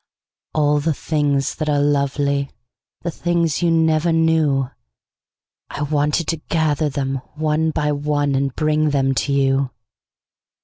All the things that are lovely—The things you never knew—I wanted to gather them one by oneAnd bring them to you.